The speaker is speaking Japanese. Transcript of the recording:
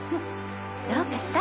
どうかした？